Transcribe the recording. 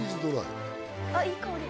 あっいい香り。